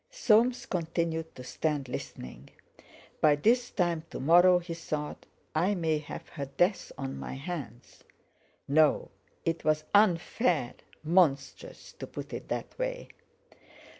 Soames continued to stand, listening. "By this time to morrow," he thought, "I may have her death on my hands." No! it was unfair—monstrous, to put it that way!